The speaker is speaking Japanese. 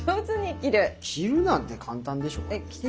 着るなんて簡単でしょこれ。